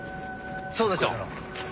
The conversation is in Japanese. そうでしょう